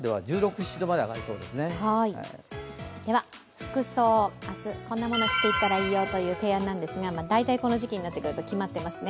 服装、明日こんなものを着ていったらいいよという提案なんですが、大体この時期になってくると決まってますね。